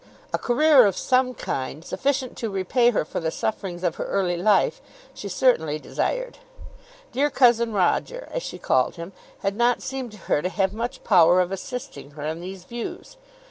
A career of some kind, sufficient to repay her for the sufferings of her early life, she certainly desired. "Dear cousin Roger," as she called him, had not seemed to her to have much power of assisting her in these views.